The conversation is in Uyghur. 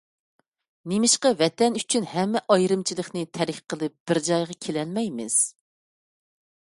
نېمىشقا ۋەتەن ئۈچۈن ھەممە ئايرىمىچىلىقنى تەرك قىلىپ بىر جايغا كېلەلمەيمىز؟!